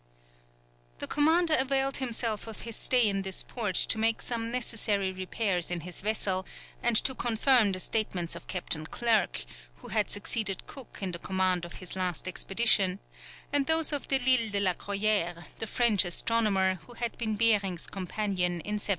The Commander availed himself of his stay in this port to make some necessary repairs in his vessel, and to confirm the statements of Captain Clerke, who had succeeded Cook in the command of his last expedition, and those of Delisle de la Croyère, the French astronomer, who had been Behring's companion in 1741.